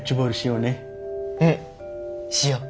うんしよう。